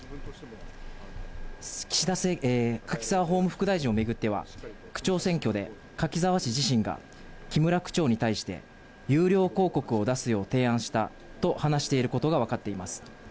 柿沢法務副大臣を巡っては区長選挙で、柿沢氏自身が、木村区長に対して有料広告を出すよう提案したと話していることが分かっています。